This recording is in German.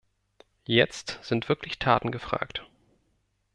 Jetzt sind wirklich Taten gefragt.